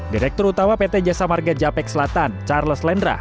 direktur utama pt jasa marga japek selatan charles lendra